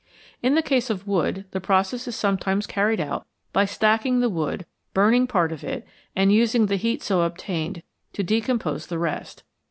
In the case of wood the process is sometimes carried out by stacking the wood, burning part of it, and using the heat so obtained to decompose the rest.